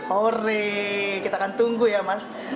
ori kita akan tunggu ya mas